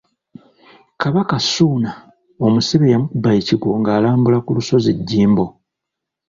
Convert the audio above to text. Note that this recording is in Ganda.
Kabaka Ssuuna omusibe yamukuba ekigwo ng'alambula ku lusozi jjimbo.